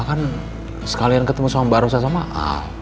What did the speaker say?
kan sekalian ketemu sama mbak arusa sama ah